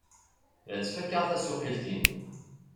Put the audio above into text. La ttfakaɣ tasuqilt-inu.